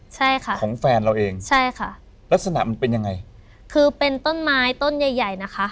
ใช่ค่ะใช่ค่ะรักษณะมันเป็นยังไงคือเป็นต้นไม้ต้นใหญ่นะคะ